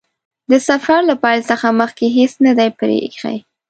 د سفر له پیل څخه مخکې هیڅ نه دي پرې ايښي.